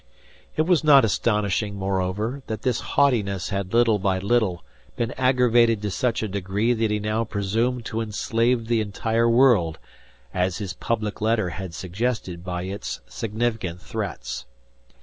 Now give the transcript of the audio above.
It was not astonishing, moreover, that this haughtiness had little by little been aggravated to such a degree that he now presumed to enslave the entire world, as his public letter had suggested by its significant threats.